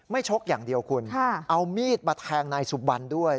ชกอย่างเดียวคุณเอามีดมาแทงนายสุบันด้วย